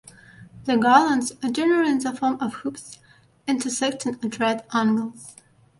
The garlands are generally in the form of hoops intersecting at right angles.